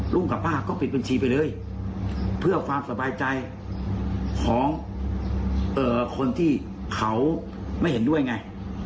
กับป้าก็ปิดบัญชีไปเลยเพื่อความสบายใจของคนที่เขาไม่เห็นด้วยไง